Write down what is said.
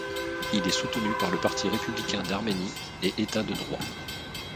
Il est soutenu par le Parti républicain d'Arménie et État de droit.